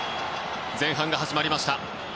前半が始まりました。